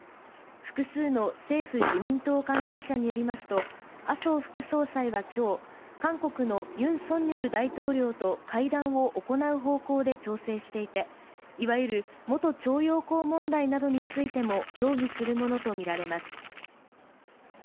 複数の政府・自民党関係者によりますと、麻生副総裁はきょう、韓国のユン・ソンニョル大統領と会談を行う方向で調整していて、いわゆる元徴用工問題などについても協議するものと見られます。